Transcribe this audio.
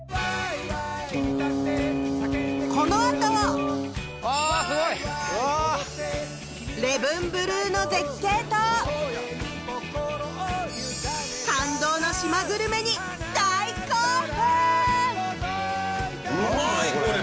このあとあすごいうわレブンブルーの絶景と感動の島グルメに大興奮うまいこれ！